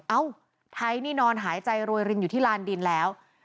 เอ้าไทยนี่นอนหายใจโรยรินอยู่ที่ลานดินแล้ว